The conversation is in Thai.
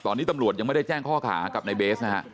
ตอนนี้ตำรวจยังไม่ได้แจ้งข้อหากับในเบสนะฮะ